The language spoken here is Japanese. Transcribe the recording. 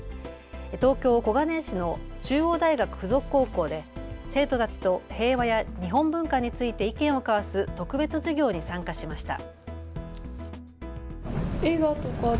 東京小金井市の中央大学附属高校で生徒たちと平和や日本文化について意見を交わす特別授業に参加しました。